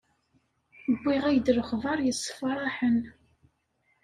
Wwiɣ-ak-d lexber yessefraḥen.